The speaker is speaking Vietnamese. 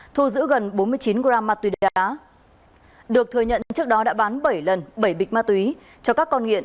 thu giữ gần bốn mươi chín gram ma túy đá được thừa nhận trước đó đã bán bảy lần bảy bịch ma túy cho các con nghiện